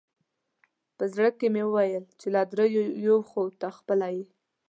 په زړه کې مې وویل چې له درېیو یو خو ته خپله یې.